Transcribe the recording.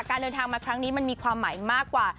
การเดินทางมาครั้งนี้มันมีความหมายมากกว่า